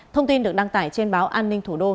thông tin được đăng tải trên báo an ninh thủ đô